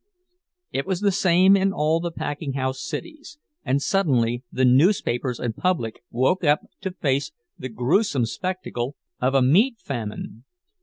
It was the same in all the packing house cities; and suddenly the newspapers and public woke up to face the gruesome spectacle of a meat famine.